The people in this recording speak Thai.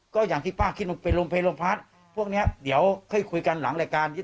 ก็อย่างที่ป้าคิดลงเพชรลงพัสพวกเนี่ยเดี๋ยวเคยคุยกันหลังรายการ